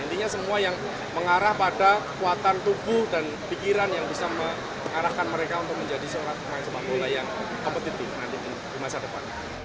intinya semua yang mengarah pada kekuatan tubuh dan pikiran yang bisa mengarahkan mereka untuk menjadi seorang pemain sepak bola yang kompetitif nanti di masa depan